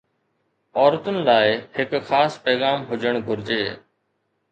عورتن لاء هڪ خاص پيغام هجڻ گهرجي